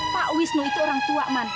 pak wisnu itu orang tua man